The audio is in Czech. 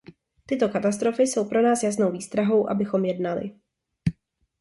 Tyto katastrofy jsou pro nás jasnou výstrahou, abychom jednali.